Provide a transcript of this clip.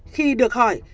khi được hỏi